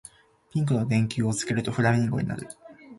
ピンクの電球をつけるとフラミンゴになる